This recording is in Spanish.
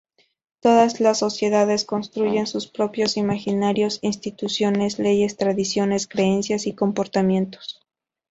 Todas las sociedades construyen sus propios "imaginarios": instituciones, leyes, tradiciones, creencias y comportamientos.